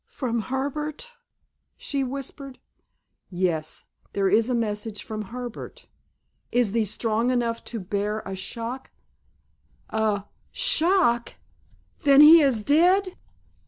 "From Herbert?" she whispered. "Yes, there is a message from Herbert. Is thee strong enough to bear a shock——" "A shock? Then he is dead?"